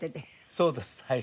そうですはい。